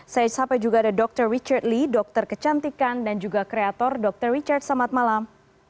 saya sampai juga ada dr richard lee dokter kecantikan dan juga kreator dr richard selamat malam